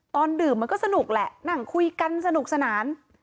ตอนดื่มก็สนุกแหละคุยกันสนุกสนาน